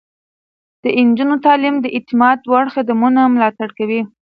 د نجونو تعليم د اعتماد وړ خدمتونه ملاتړ کوي.